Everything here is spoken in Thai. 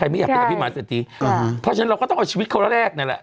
เพราะฉะนั้นเราก็ต้องเอาชีวิตเขานั่นแรกนั่นแหละ